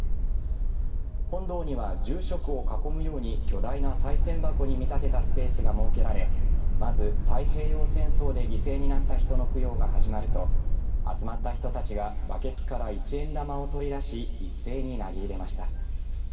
本堂には住職を囲むように巨大なさい銭箱に見立てたスペースが設けられまず、太平洋戦争で犠牲になった人の供養が始まると集まった人たちがバケツから一円玉を取り出し一斉に投げ入れました。